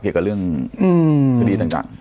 เกี่ยวกับเรื่องคดีต่าง